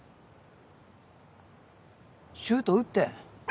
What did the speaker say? シュート打って。